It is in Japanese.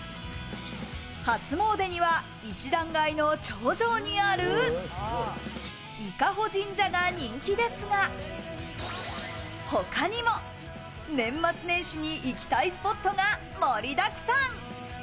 初詣には石段街の頂上にある伊香保神社が人気ですが、他にも年末年始に行きたいスポットが盛りだくさん。